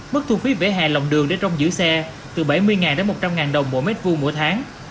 mức thu phí vỉa hè lòng đường để trông giữa xe từ bảy mươi một trăm linh ngàn đồng mỗi mét vu mỗi tháng